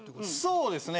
そうですね。